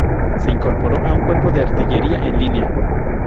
Se incorporó a un cuerpo de artillería de línea.